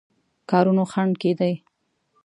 کارونو خنډ کېدی.